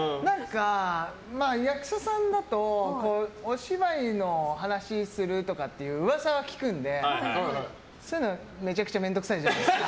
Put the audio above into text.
役者さんだとお芝居の話するとかっていう噂は聞くんでそういうのめちゃくちゃ面倒くさいじゃないですか。